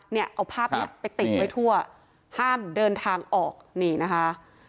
เนี่ยเอาภาพนี้ไปติดไว้ทั่วห้ามเดินทางออกนี่นะคะ